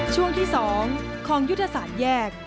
ช่วงที่๒ของยุทธศาสตร์แยก